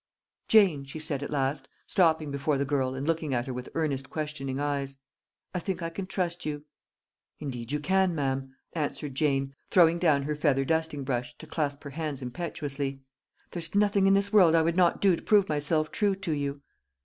"Jane," she said at last, stopping before the girl and looking at her with earnest questioning eyes, "I think I can trust you." "Indeed you can, ma'am," answered Jane, throwing down her feather dusting brush to clasp her hands impetuously. "There's nothing in this world I would not do to prove myself true to you."